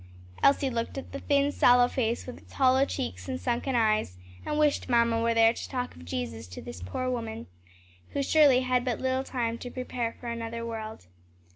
Elsie looked at the thin, sallow face with its hollow cheeks and sunken eyes, and wished mamma were there to talk of Jesus to this poor woman, who surely had but little time to prepare for another world.